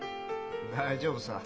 大丈夫さ。